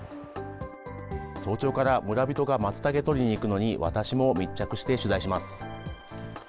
早朝から、村人がマツタケを採りに行くのに私も密着して取材します。